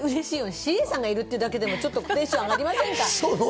ＣＡさんがいるってだけでもテンション上がりませんか？